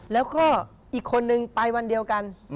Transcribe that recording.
แล้วก็อีกคนนึงไปวันเดียวกัน